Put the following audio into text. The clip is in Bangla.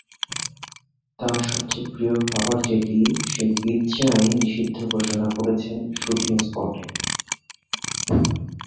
তাঁর সবচেয়ে প্রিয় খাবার যেটি, সেই পিৎজাই নিষিদ্ধ ঘোষণা করেছেন শুটিং স্পটে।